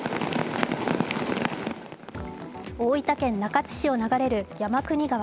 大分県中津市を流れる山国川。